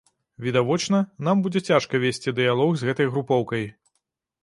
Відавочна, нам будзе цяжка весці дыялог з гэтай групоўкай.